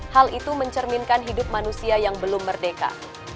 hal itu mencerminkan hidup manusia yang belum merdeka